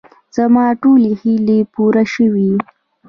زما ټولې هیلې پوره شوې.